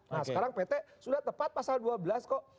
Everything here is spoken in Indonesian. nah sekarang pt sudah tepat pasal dua belas kok